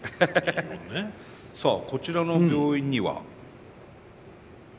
さあこちらの病院には？